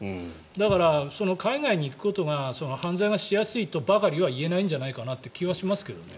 だから、海外に行くことが犯罪がしやすいとばかりは言えないんじゃないかなという気はしますけどね。